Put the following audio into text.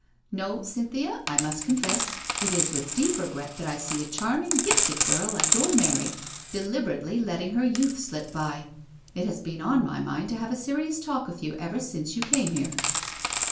No, Cynthia, I must con fess, it is with deep regret that I see a charming, gifted girl, like your Mary, deliberately letting her youth slip by. It has been on my mind to have a serious talk with you ever since you came here."